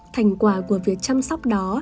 thành quả của việc chăm sóc đó